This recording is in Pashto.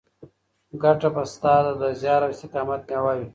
ګټه به ستا د زیار او استقامت مېوه وي.